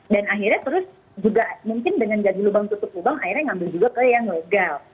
dan akhirnya terus juga mungkin dengan gaji lubang tutup lubang akhirnya ngambil juga ke yang legal